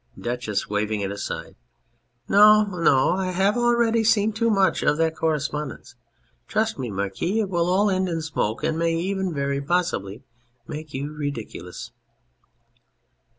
} DUCHESS (waving it aside). No, no, I have already seen too much of that correspondence ! Trust me, Marquis, it will all end in smoke, and may even very possibly make you ridiculous.